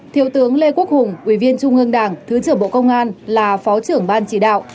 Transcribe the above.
trung tướng nguyễn duy ngọc ủy viên trung ương đảng thứ trưởng bộ công an là phó trưởng ban chỉ đạo